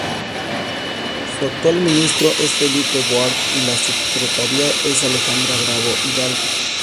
Su actual ministro es Felipe Ward, y la subsecretaria es Alejandra Bravo Hidalgo.